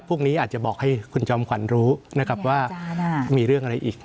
พวกนี้อาจจะบอกให้คุณจอมขวัญรู้นะครับว่ามีเรื่องอะไรอีก